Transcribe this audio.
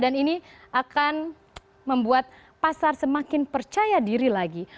dan ini akan membuat pasar semakin percaya diri lagi